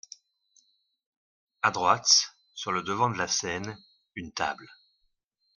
À droite, sur le devant de la scène, une table.